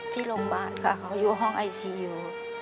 ที่โรงพยาบาลค่ะเขาอยู่ห้องไอซียู